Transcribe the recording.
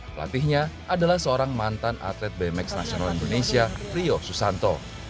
pelatihnya adalah seorang mantan atlet bmx nasional indonesia rio susanto